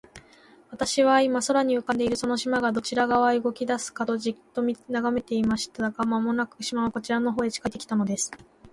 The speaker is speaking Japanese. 私は、今、空に浮んでいるその島が、どちら側へ動きだすかと、じっと眺めていました。が、間もなく、島はこちらの方へ近づいて来たのです。